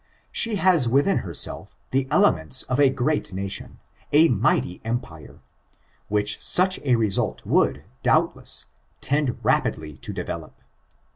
She has within herself the elements of a great nation — ^a mighty empire, which such a result would, doubtless, tend rapidly to develope.